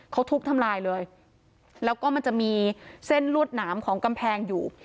เขาทุบทำลายเลยแล้วก็มันจะมีเส้นลวดหนามของกำแพงอยู่